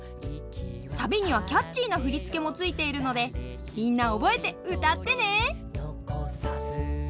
サビにはキャッチーな振り付けもついているのでみんな覚えて歌ってね！